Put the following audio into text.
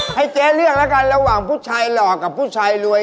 ให้เจ๊เลือกแล้วกันระหว่างผู้ชายหล่อกับผู้ชายรวย